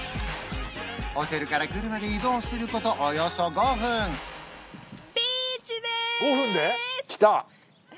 ホテルから車で移動することおよそ５分来た！